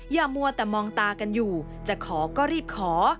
มัวแต่มองตากันอยู่จะขอก็รีบขอ